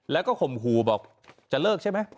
แล้วก็ข่มขู่บอกจะเลิกใช่ไหม